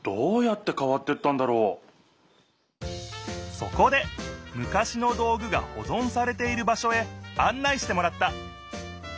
そこでむかしの道具がほぞんされている場しょへあん内してもらった。